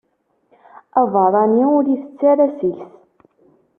Abeṛṛani ur itett ara seg-s.